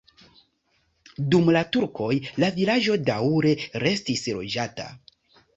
Dum la turkoj la vilaĝo daŭre restis loĝata.